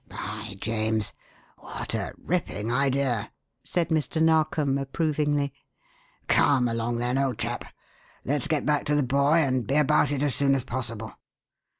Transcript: "By James! what a ripping idea," said Mr. Narkom approvingly. "Come along then, old chap let's get back to the boy and be about it as soon as possible."